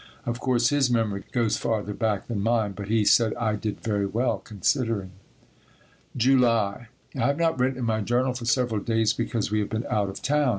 Of course his memory goes farther back than mine, but he said I did very well, considering. July. I have not written in my journal for several days because we have been out of town.